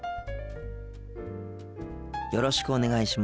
よろしくお願いします。